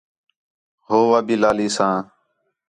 ہو وا بھی لالیساں